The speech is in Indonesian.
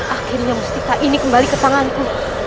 akhirnya mustika ini kembali ke tanganku